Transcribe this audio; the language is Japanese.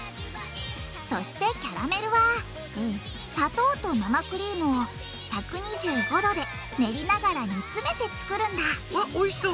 そしてキャラメルは砂糖と生クリームを１２５℃でねりながら煮つめてつくるんだわっおいしそう！